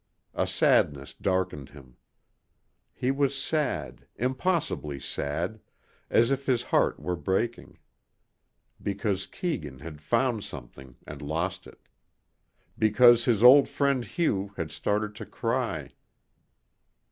A sadness darkened him. He was sad, impossibly sad, as if his heart were breaking. Because Keegan had found something and lost it. Because his old friend Hugh had started to cry....